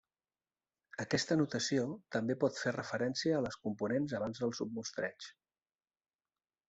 Aquesta notació també pot fer referència a les components abans del submostreig.